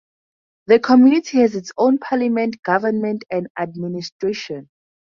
The Community has its own parliament, government, and administration.